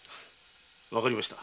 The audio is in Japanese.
わかりました。